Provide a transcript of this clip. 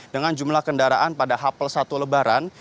dengan jumlah kendaraan pada hapel satu lebaran